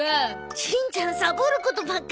しんちゃんサボることばっかりだね。